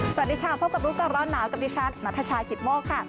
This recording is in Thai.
สวัสดีค่ะพบกับรู้ก่อนร้อนหนาวกับดิฉันนัทชายกิตโมกค่ะ